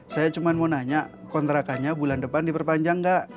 saya cuma mau nanya kontrakannya bulan depan diperpanjang nggak